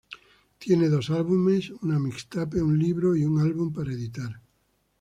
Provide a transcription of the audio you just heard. Tiene dos álbumes, una mixtape, un libro y un álbum para editar.